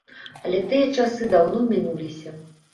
Але тыя часы даўно мінуліся.